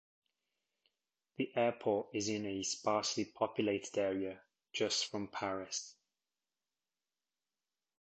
The airport is in a sparsely populated area just from Paris.